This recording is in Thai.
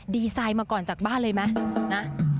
ดีไซน์มาก่อนจากบ้านเลยไหมนะ